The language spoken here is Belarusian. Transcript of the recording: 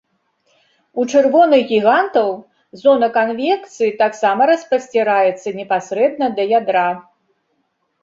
У чырвоных гігантаў зона канвекцыі таксама распасціраецца непасрэдна да ядра.